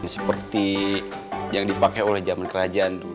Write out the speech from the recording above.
seperti yang dipakai oleh zaman kerajaan dulu